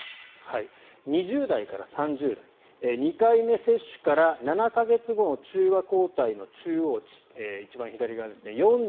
２０代から３０代２回目接種から７か月後の中和抗体の中央値一番左側ですね